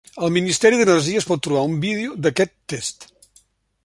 Al Ministeri d'energia es pot trobar un vídeo d'aquest test.